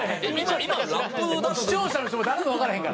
視聴者の人も誰もわからへんから。